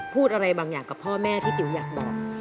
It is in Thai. พูดอะไรบางอย่างกับพ่อแม่ที่ติ๋วอยากบอก